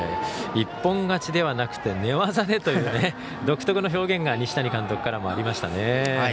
一本勝ちではなくて寝技でという独特の表現が西谷監督からもありましたね。